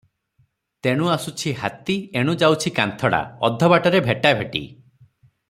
ତେଣୁ ଆସୁଛି ହାତୀ, ଏଣୁ ଯାଉଛି କାନ୍ଥଡ଼ା, ଅଧ ବାଟରେ ଭେଟାଭେଟି ।